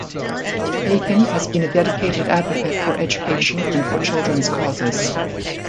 Aiken has been a dedicated advocate for education and for children's causes.